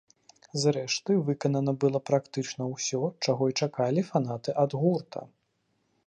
Зрэшты, выканана было практычна ўсё, чаго і чакалі фанаты ад гурта.